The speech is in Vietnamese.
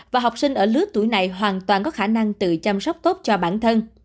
và học sinh ở lứa tuổi này hoàn toàn có khả năng tự chăm sóc tốt cho bản thân